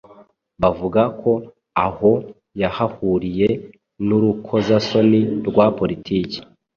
Bavuga ko аho yahahuriye n'urukozasoni rwa politiki.